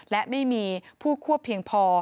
และไม่มีผู้ควบเพียงพอ